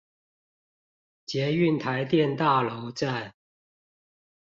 捷運臺電大樓站